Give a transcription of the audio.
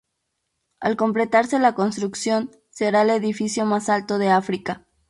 Al completarse la construcción, será el edificio más alto de África.